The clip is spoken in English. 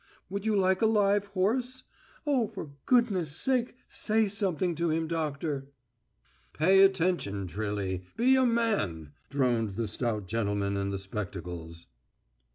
Would you like a live horse? Oh, for goodness' sake, say something to him, doctor." "Pay attention, Trilly. Be a man!" droned the stout gentleman in the spectacles.